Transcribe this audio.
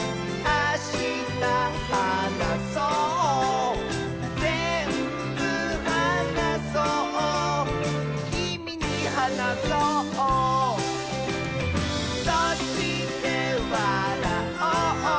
あしたわらおう！」